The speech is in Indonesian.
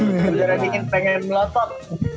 udah dingin pengen melapak